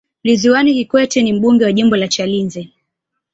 ridhwan kikwete ni mbunge wa jimbo la chalinze